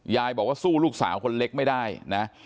ยายบอกว่าสู้ลูกสาวคนเล็กไม่ได้นะ